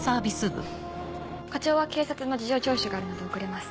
課長は警察の事情聴取があるので遅れます。